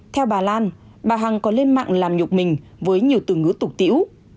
theo bà lan bà hằng còn lên mạng làm nhục mình với nhiều từ ngữ tục tiễu